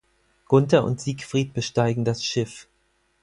Gunther und Siegfried besteigen das Schiff.